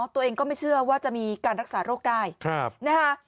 ตัวเองก็ไม่เชื่อว่าจะมีการรักษาโรคได้นะคะ